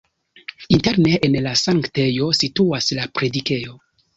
Interne en la sanktejo situas la predikejo.